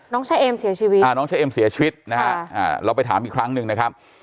ชะเอมเสียชีวิตอ่าน้องเชอมเสียชีวิตนะฮะเราไปถามอีกครั้งหนึ่งนะครับ